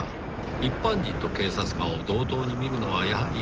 一般人と警察官を同等に見るのはやはり不公平です。